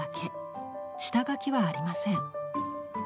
下描きはありません。